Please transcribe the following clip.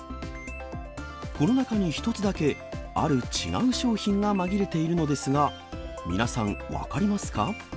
この中に１つだけ、ある違う商品が紛れているのですが、皆さん、分かりますか？